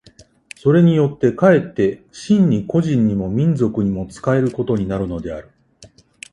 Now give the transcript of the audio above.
それによって却って真に個人にも民族にも仕えることになるのである。